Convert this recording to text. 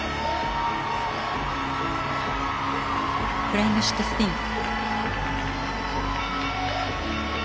フライングシットスピン。